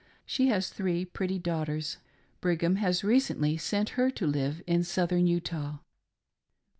She has three pretty daughters. Brigham has recently sent her to live in southern Utah.